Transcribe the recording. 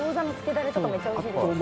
だれとかめっちゃおいしいですよね。